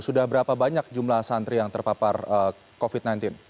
sudah berapa banyak jumlah santri yang terpapar covid sembilan belas